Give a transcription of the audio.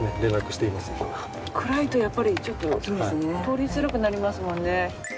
暗いとやっぱりちょっと通りづらくなりますもんね。